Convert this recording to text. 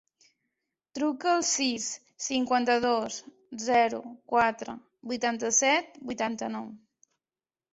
Truca al sis, cinquanta-dos, zero, quatre, vuitanta-set, vuitanta-nou.